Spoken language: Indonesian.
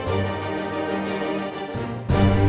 kau gak sudah tahu